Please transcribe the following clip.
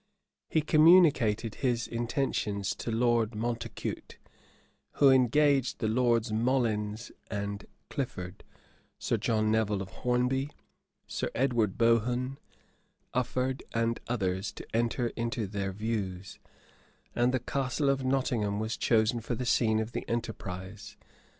He communicated his intentions to Lord Mountacute, who engaged the Lords Molins and Clifford, Sir John Nevil of Hornby, Sir Edward Bohun, Ufford, and others, to enter into their views; and the Castle of Nottingham was chosen for the scene of the enterprise.